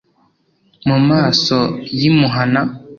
mu maso y’i muhana!